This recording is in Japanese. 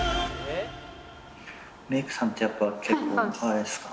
メイクさんってやっぱ結構あれですか？